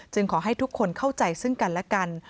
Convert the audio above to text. ขอให้ทุกคนเข้าใจซึ่งกันและกัน